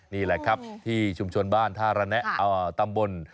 นี่แหละครับที่ชุมชนบ้านท่าระแนะตำบล